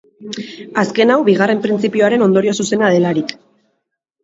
Azken hau bigarren printzipioaren ondorio zuzena delarik.